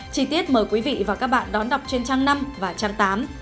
chí tiết mời quý vị và các bạn đón đọc trên trang năm và trang tám